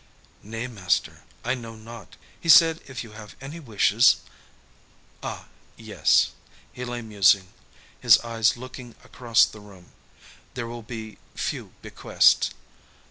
"Nay, master, I know not. He said if you have any wishes " "Ah, yes." He lay musing, his eyes looking across the room. "There will be few bequests.